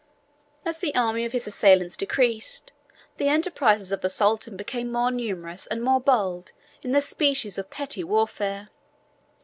As the army of his assailants decreased, the enterprises of the Sultan became more numerous and more bold in this species of petty warfare.